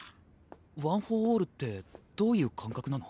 ワン・フォー・オールってどういう感覚なの？